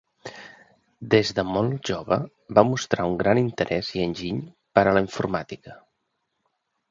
Des de molt jove va mostrar un gran interès i enginy per a la informàtica.